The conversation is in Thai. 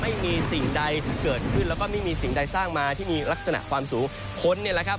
ไม่มีสิ่งใดเกิดขึ้นแล้วก็ไม่มีสิ่งใดสร้างมาที่มีลักษณะความสูงคนเนี่ยแหละครับ